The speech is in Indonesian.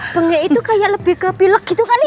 bengek itu kayak lebih ke pilek gitu kali ya